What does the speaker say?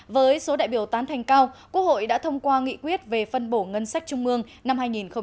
với số đại biểu tán thành cao quốc hội đã thông qua nghị quyết về phân bổ ngân sách trung ương năm hai nghìn hai mươi